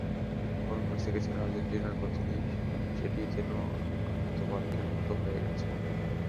বরং মেসিকে ছাড়া আর্জেন্টিনার গতি নেই, সেটিই যেন আপ্তবাক্যের মতো হয়ে গেছে।